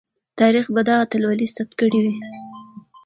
تاریخ به دا اتلولي ثبت کړې وي.